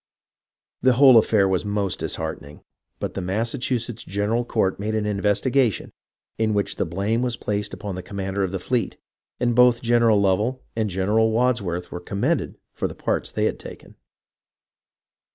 The whole affair was most dis heartening, but the Massachusetts General Court made an investigation, in which the blame was placed upon the commander of the fleet, and both General Lovell and Gen eral Wadsworth were commended for the parts they had taken.